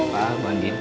pak bu andin